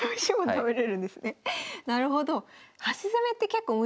なるほど。